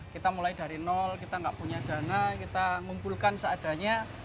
kita mulai dari nol kita nggak punya dana kita ngumpulkan seadanya